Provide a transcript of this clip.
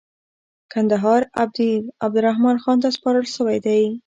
کندهار امیر عبدالرحمن خان ته سپارل سوی دی.